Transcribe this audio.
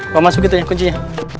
bawa masuk gitu ya kuncinya